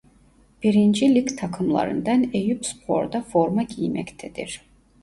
Birinci Lig takımlarından Eyüpspor'da forma giymektedir.